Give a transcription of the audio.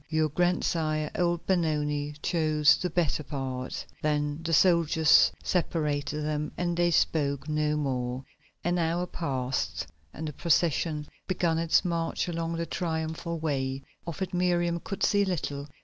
Your grandsire, old Benoni, chose the better part." Then the soldiers separated them and they spoke no more. An hour passed and the procession began its march along the Triumphal Way. Of it Miriam could see little.